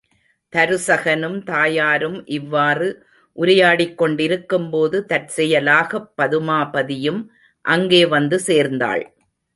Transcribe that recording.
தருசகனும் தாயாரும் இவ்வாறு உரையாடிக் கொண்டிருக்கும் போது தற்செயலாகப் பதுமாபதியும் அங்கே வந்து சேர்ந்தாள்.